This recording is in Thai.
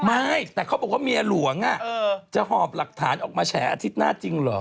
ไม่แต่เขาบอกว่าเมียหลวงจะหอบหลักฐานออกมาแฉอาทิตย์หน้าจริงเหรอ